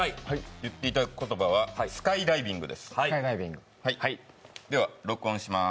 言っていただく言葉はスカイダイビングです、録音します。